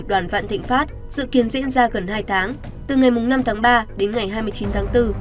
hãy đăng ký kênh để nhận thông tin nhất